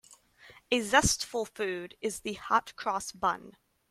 A zestful food is the hot-cross bun.